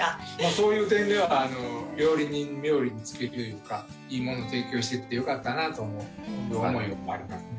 そういう点では料理人冥利に尽きるというかいいもの提供してきてよかったなという思いありますね。